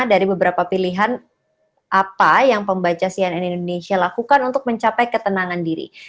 dari beberapa pilihan apa yang pembaca cnn indonesia lakukan untuk mencapai ketenangan diri